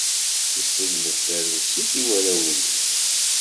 Yesselmed tarusit i warraw-nnes.